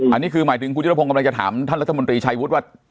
อันนี้คือหมายถึงคุณธิรพงศ์กำลังจะถามท่านรัฐมนตรีชัยวุฒิว่า